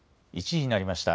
１時になりました。